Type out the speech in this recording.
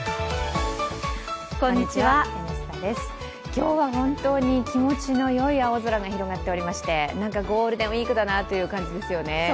今日は本当に気持ちのよい青空が広がっておりまして、なんかゴールデンウイークだなっていう感じですよね。